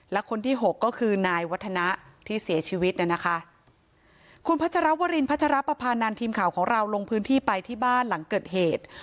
และคนที่หกก็คือนายวัฒนะที่เสียชีวิตน่ะนะคะคุณพัชรวรินพัชรปภานันทีมข่าวของเราลงพื้นที่ไปที่บ้านหลังเกิดเหตุ